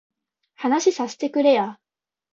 話させてくれや